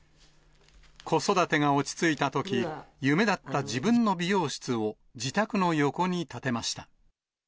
子育てが落ち着いたとき、夢だった自分の美容室を自宅の横に建てました。